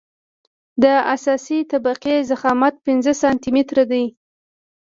د اساسي طبقې ضخامت پنځه سانتي متره دی